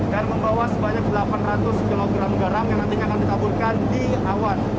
dan membawa sebanyak delapan ratus kg garam yang nantinya akan ditaburkan di awan